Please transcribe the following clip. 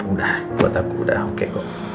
udah buat aku udah oke kok